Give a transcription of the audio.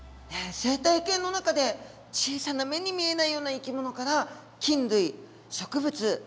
生態系の中で小さな目に見えないような生き物から菌類植物